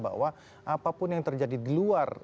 bahwa apapun yang terjadi di luar